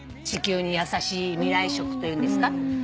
地球に優しい未来食というんですか？